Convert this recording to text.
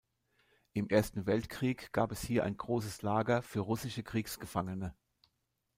Im Ersten Weltkrieg gab es hier ein großes Lager für russische Kriegsgefangene.